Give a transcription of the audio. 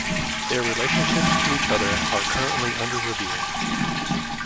Their relationships to each other are currently under review.